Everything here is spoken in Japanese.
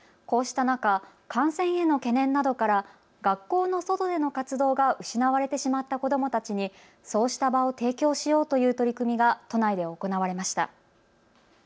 こうした中、感染への懸念などから学校の外での活動が失われてしまった子どもたちにそうした場を提供しようという取り組みが都内で行われました。